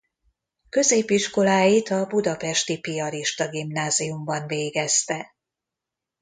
Középiskoláit a Budapesti Piarista Gimnáziumban végezte.